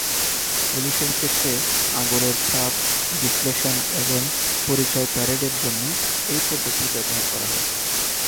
পুলিশের ক্ষেত্রে আঙ্গুলের ছাপ বিশ্লেষণ এবং পরিচয় প্যারেডের জন্য এই পদ্ধতি ব্যবহার করা হয়।